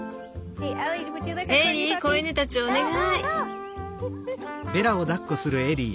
エリー子犬たちをお願い。